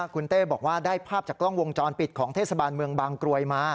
คุณเต้บอกว่าได้ภาพจากกล้องวงจรปิดของเทศบาลเมืองบางกรวยมา